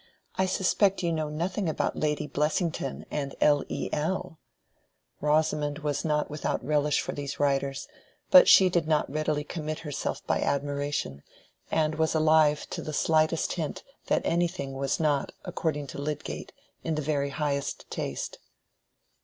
"I suspect you know nothing about Lady Blessington and L. E. L." Rosamond herself was not without relish for these writers, but she did not readily commit herself by admiration, and was alive to the slightest hint that anything was not, according to Lydgate, in the very highest taste.